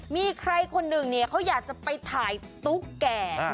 มีใครคนหนึ่งเนี่ยเขาอยากจะไปถ่ายตุ๊กแก่